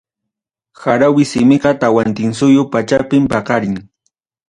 Harawi simiqa Tawantinsuyu pachapim paqarin.